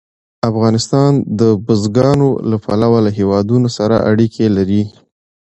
افغانستان د بزګانو له پلوه له هېوادونو سره اړیکې لري.